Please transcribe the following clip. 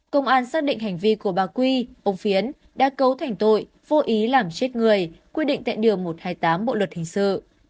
công an xác định hành vi của bà quy ông phiến đã cấu thành tội vô ý làm chết người quy định tại điều một trăm hai mươi tám bộ luật hình sự